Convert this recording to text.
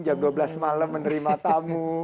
jam dua belas malam menerima tamu